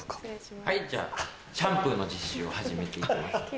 はいじゃあシャンプーの実習を始めていきます。